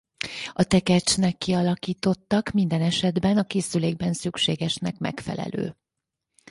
A tekercsnek kialakítottak minden esetben a készülékben szükségesnek megfelelő.